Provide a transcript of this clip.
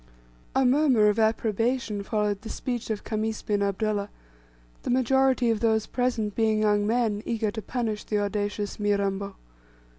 A murmur of approbation followed the speech of Khamis bin Abdullah, the majority of those present being young men eager to punish the audacious Mirambo.